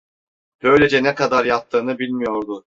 Böylece ne kadar yattığını bilmiyordu.